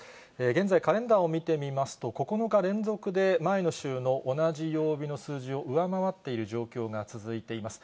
現在カレンダーを見てみますと、９日連続で前の週の同じ曜日の数字を上回っている状況が続いています。